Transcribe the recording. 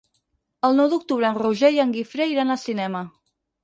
El nou d'octubre en Roger i en Guifré iran al cinema.